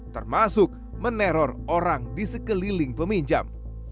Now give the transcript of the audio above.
termasuk meneror orang di sekeliling peminjam